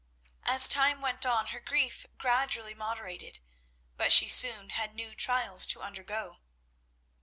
As time went on her grief gradually moderated, but she soon had new trials to undergo.